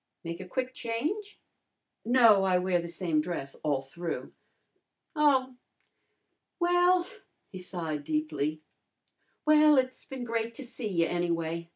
Make a quick change?" "No, I wear the same dress all through." "Oh! Well," he sighed deeply "well, it's been great to see you, anyway.